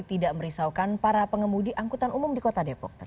tidak merisaukan para pengemudi angkutan umum di kota depok